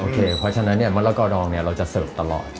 เพราะฉะนั้นเนี่ยมะละกอดองเนี่ยเราจะเสิร์ฟตลอด